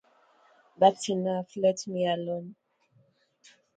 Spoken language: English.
That’s enough; let me alone.